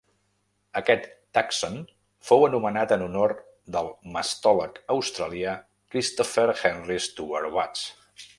Aquest tàxon fou anomenat en honor del mastòleg australià Christopher Henry Stuart Watts.